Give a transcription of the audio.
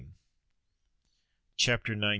CHAPTER XIX.